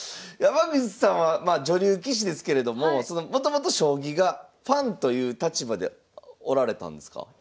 山口さんはまあ女流棋士ですけれどももともと将棋がファンという立場でおられたんですか？